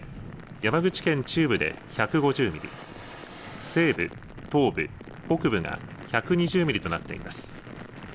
山口県中部で１５０ミリ、西部、東部、北部が１２０ミリとなっています。